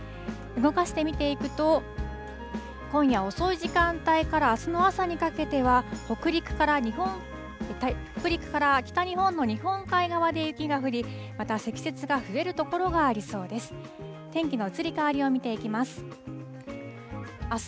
動かして見ていくと、今夜遅い時間帯からあすの朝にかけては、北陸から北日本の日本海側で雪が降り、また積雪が増える所がありそうです。